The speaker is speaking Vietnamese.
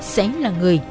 sẽ là người